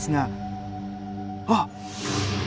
あっ！